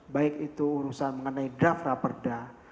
baik itu urusan mengenai draft rapat da